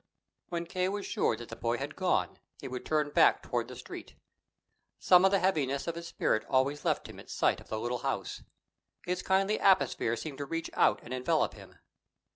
When K. was sure that the boy had gone, he would turn back toward the Street. Some of the heaviness of his spirit always left him at sight of the little house. Its kindly atmosphere seemed to reach out and envelop him.